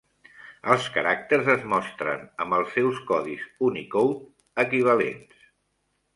Els caràcters es mostren amb els seus codis Unicode equivalents.